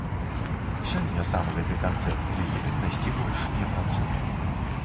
Сёння сам гэты канцэпт легітымнасці больш не працуе.